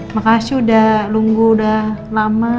makasih udah nunggu udah lama